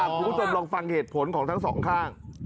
กูจนลองฟังเหตุผลของทั้งสองข้าง